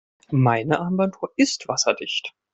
Meine Armbanduhr ist wasserdicht.